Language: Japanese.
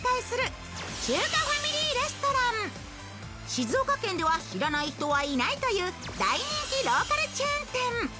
静岡県では知らない人はいないという大人気ローカルチェーン店。